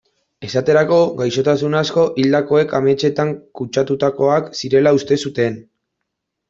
Esaterako, gaixotasun asko hildakoek ametsetan kutsatutakoak zirela uste zuten.